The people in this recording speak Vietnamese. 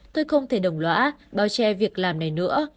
tôi không thể đồng lõa bao che việc làm này nữa